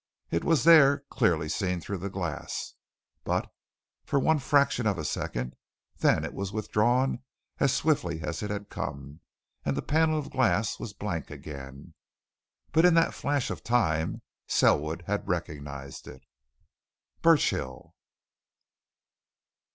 It was there, clearly seen through the glass, but for one fraction of a second then it was withdrawn as swiftly as it had come and the panel of glass was blank again. But in that flash of time Selwood had recognized it. Burchill!